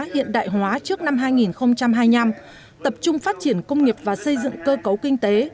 hiện đại hóa trước năm hai nghìn hai mươi năm tập trung phát triển công nghiệp và xây dựng cơ cấu kinh tế